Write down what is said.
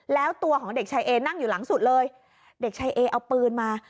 แล้วตัวของเด็กชายเอนั่งอยู่หลังสุดเลยเด็กชายเอเอาปืนมา